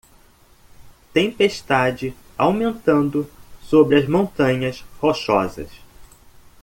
Tempestade aumentando sobre as Montanhas Rochosas.